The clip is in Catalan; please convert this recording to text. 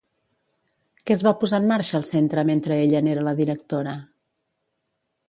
Què es va posar en marxa al centre mentre ella n'era la directora?